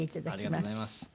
ありがとうございます。